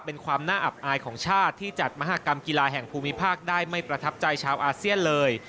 เป็นความน่าอับอายของชาติที่จัดมหากรรมกีฬาแห่งภูมิภาคได้ไม่ประทับใจชาวอาเซียนเลย